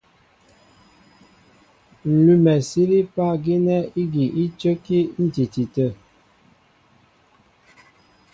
Ǹ lʉ́mɛ sílípá gínɛ́ ígi í cə́kí á ǹtiti tə̂.